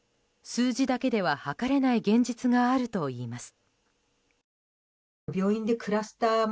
数字だけでは測れない現実があるといいます。